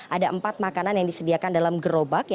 ada empat makanan yang disediakan dalam gerobak